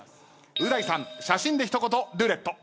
う大さん写真で一言ルーレット。